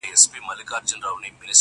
لکه ښاخ د زاړه توت غټ مړوندونه!.